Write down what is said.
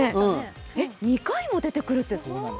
２回も出てくるってすごい。